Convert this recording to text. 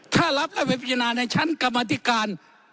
ถ้ารับแล้วไปพิจารณาในชั้นกรรมธิการ